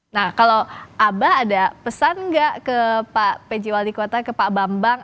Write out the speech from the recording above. nah kalau abah ada pesan nggak ke pak pj wali kota ke pak bambang